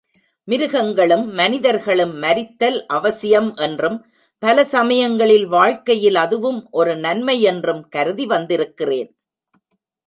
மிருகங்களும், மனிதர்களும் மரித்தல் அவசியம் என்றும், பல சமயங்களில் வாழ்க்கையில் அதுவும் ஒரு நன்மை என்றும் கருதி வந்திருக்கிறேன்.